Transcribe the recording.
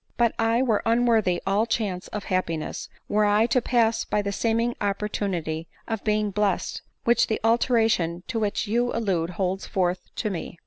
" But I were unworthy all chance of happiness, were I to pass by die seeming opportunity of being blest, which the alteration to which you allude holds forth to me."